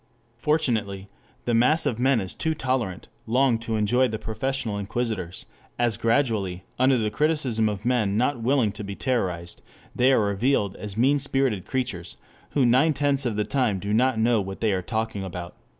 Fortunately, the mass of men is too tolerant long to enjoy the professional inquisitors, as gradually, under the criticism of men not willing to be terrorized, they are revealed as mean spirited creatures who nine tenths of the time do not know what they are talking about.